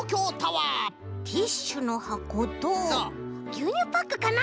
ぎゅうにゅうパックかな？